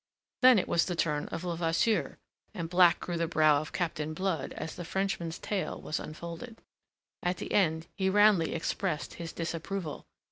Then it was the turn of Levasseur, and black grew the brow of Captain Blood as the Frenchman's tale was unfolded. At the end he roundly expressed his disapproval.